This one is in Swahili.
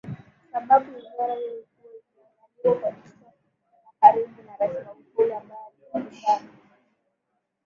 sababu wizara hiyo ilikuwa ikiangaliwa kwa jicho la karibu na Rais Magufuli ambaye alijulikana